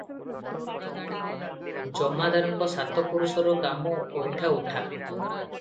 ଜମାଦାରଙ୍କ ସାତ ପୁରୁଷର କାମ ଅଇଣ୍ଠା ଉଠା ।